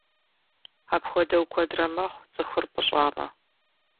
Апхуэдэу куэдрэ мэхъу, цӀыхур пӀыщӀамэ.